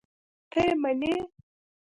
ته یې منې؟!